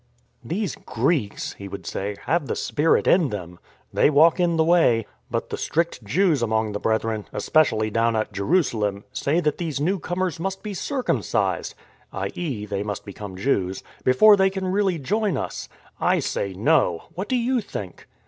" These Greeks," he would say, " have the Spirit in them. They ^yalk in the Way. But the strict Jews among the Brethren (especially down at Jerusalem)' say that these newcomers must be circumcised (i.e. 102 IN TRAINING they must become Jews) before they can really join us. I say ' No.' What do you think?